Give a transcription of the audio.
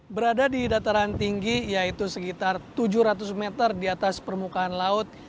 berada di dataran tinggi yaitu sekitar tujuh ratus meter di atas permukaan laut